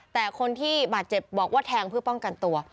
แต่คนที่บาดเจ็บบอกว่าแทงเพื่อป้องกันตัว